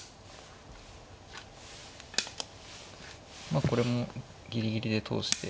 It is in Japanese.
まあこれもギリギリで通して。